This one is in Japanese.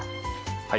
はい。